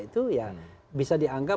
itu ya bisa dianggap